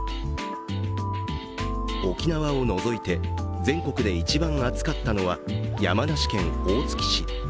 沖縄を除いて、全国で一番暑かったのは山梨県大月市。